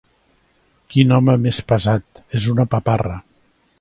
Quin home més pesat: és una paparra.